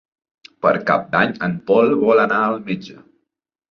Per Cap d'Any en Pol vol anar al metge.